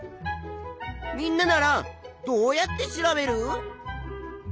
みんなならどうやって調べる？